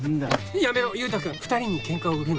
やめろ優太君２人にケンカを売るな。